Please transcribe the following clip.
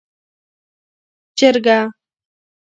🐔 چرګه